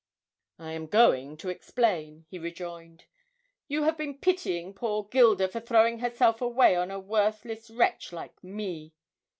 'I am going to explain,' he rejoined. 'You have been pitying poor Gilda for throwing herself away on a worthless wretch like me.